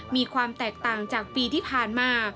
มีความแตกต่างจากปีที่ผ่านมา